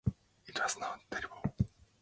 It was not terribly cool, but America loved him.